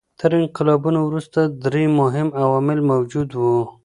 تر انقلابونو وروسته درې مهم عوامل موجود وو.